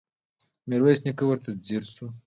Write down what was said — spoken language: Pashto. ميرويس نيکه ورته ځير شو.